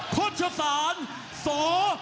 ค็อลชัดศาลเซอร์บุญจัน